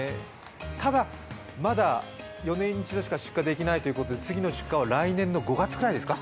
ただ、まだ４年に一度しか出荷できないということで、次の出荷は来年の５月ぐらいですか？